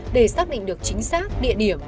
để xác định được chính xác địa điểm